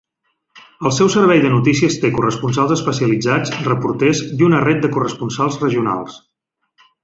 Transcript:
El seu servei de notícies té corresponsals especialitzats, reporters i una ret de corresponsals regionals.